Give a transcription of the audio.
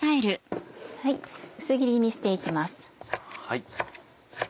薄切りにして行きます。